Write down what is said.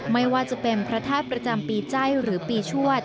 ไม่ว่าจะเป็นพระธาตุประจำปีใจหรือปีชวด